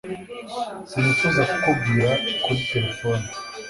sinifuzaga kukubwira kuri terefone